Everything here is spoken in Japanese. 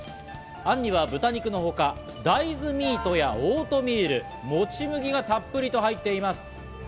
あんには豚肉の他、大豆ミートやオートミール、もち麦がたっぷりと入っています。